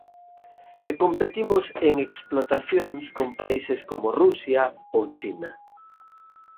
E competimos en explotacións con países como Rusia ou China.